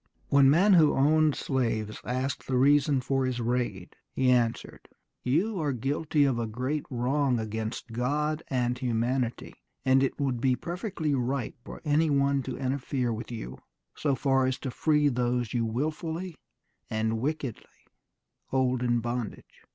When men who owned slaves asked the reason for his raid, he answered, "You are guilty of a great wrong against God and humanity and it would be perfectly right for any one to interfere with you so far as to free those you wilfully and wickedly hold in bondage....